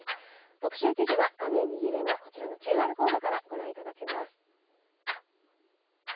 特集記事は画面右上のＱＲコードからご覧いただけます。